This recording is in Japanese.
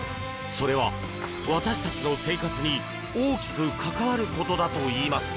それは、私たちの生活に大きく関わることだといいます。